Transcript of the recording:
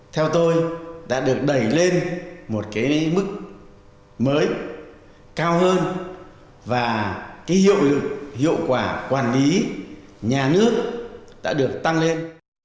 theo tôi đã được đẩy lên một cái mức mới cao hơn và cái hiệu lực hiệu quả quản lý nhà nước đã được tăng lên